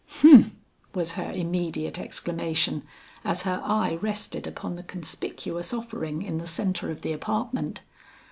"Humph!" was her immediate exclamation, as her eye rested upon the conspicuous offering in the centre of the apartment.